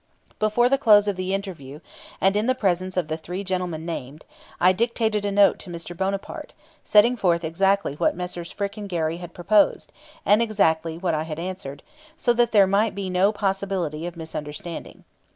Before the close of the interview and in the presence of the three gentlemen named, I dictated a note to Mr. Bonaparte, setting forth exactly what Messrs. Frick and Gary had proposed, and exactly what I had answered so that there might be no possibility of misunderstanding.